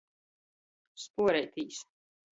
Spuoreitīs.